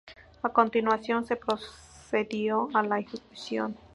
A continuación, se procedió a la ejecución.